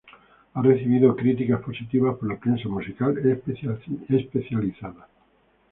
Ha recibido críticas positivas por la prensa musical especializada.